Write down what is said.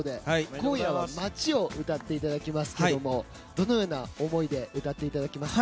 今夜は「街」を歌っていただきますがどのような思いで歌っていただきますか？